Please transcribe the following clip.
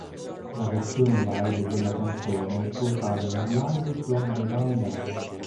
La versione live della canzone compare nel "Live from the Roundhouse".